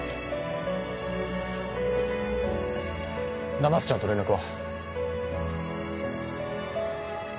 七瀬ちゃんと連絡は？